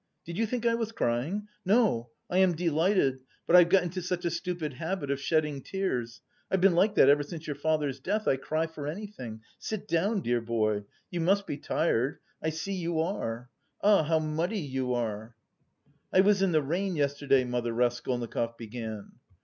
Did you think I was crying? No, I am delighted, but I've got into such a stupid habit of shedding tears. I've been like that ever since your father's death. I cry for anything. Sit down, dear boy, you must be tired; I see you are. Ah, how muddy you are." "I was in the rain yesterday, mother...." Raskolnikov began.